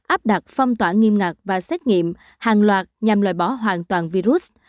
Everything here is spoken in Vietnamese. áp đặt phong tỏa nghiêm ngặt và xét nghiệm hàng loạt nhằm loại bỏ hoàn toàn virus